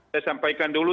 saya sampaikan dulu